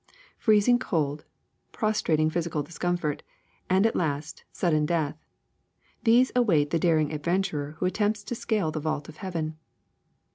*^ Freezing cold, prostrating physical discomfort, and at last sudden death — these await the daring ad venturer who attempts to scale the vault of heaven.